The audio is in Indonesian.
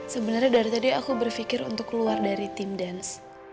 sebenarnya dari tadi aku berpikir untuk keluar dari tim dance